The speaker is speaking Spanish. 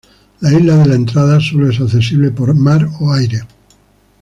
La Isla de la entrada solo es accesible por mar o aire.